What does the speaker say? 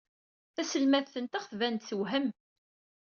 Taselmadt-nteɣ tban-d tewhem.